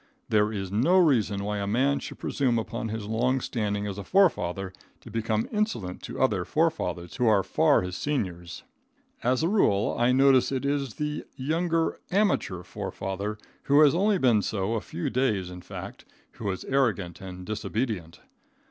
There is no reason why a man should presume upon his long standing as a forefather to become insolent to other forefathers who are far his seniors. As a rule, I notice it is the young amateur forefather who has only been so a few days, in fact, who is arrogant and disobedient.